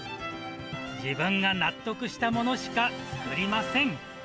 自分が納得したものしか作りません。